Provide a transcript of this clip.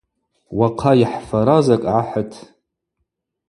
Уахъа йхӏфара закӏ гӏахӏыт.